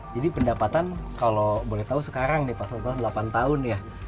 jadi pendapatan kalau boleh tau sekarang nih pasal delapan tahun ya